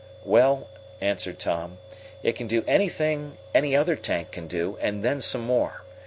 "Well," answered Tom, "it can do anything any other tank can do, and then some more.